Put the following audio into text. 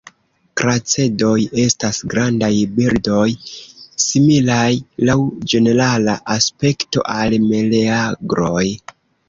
Kracedoj estas grandaj birdoj, similaj laŭ ĝenerala aspekto al meleagroj.